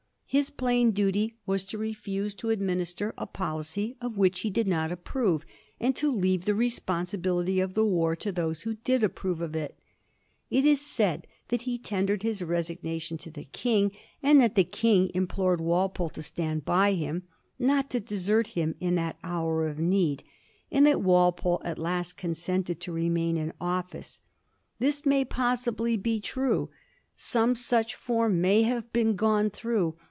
His plain daty was to refuse to administer a pol icy of which he did not approve, and to leave the respon sibility of the war to those who did approve of it. It is said that he tendered his resignation to the King ; that the King implored Walpole to stand by him — not to desert him in that hour of need — and that Walpole at last con sented to remain in office. This may possibly be true; some such form may have been gone through.